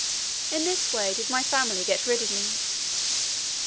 In this way did my family get rid of me.